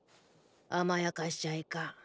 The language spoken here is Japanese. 甘やかしちゃいかん。